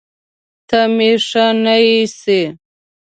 ته مې ښه نه ايسې